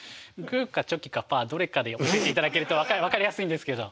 グーかチョキかパーでどれかで教えていただけると分かりやすいんですけど。